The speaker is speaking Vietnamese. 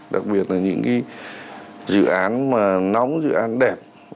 đặc biệt là những cái dự án mà nóng dự án đẹp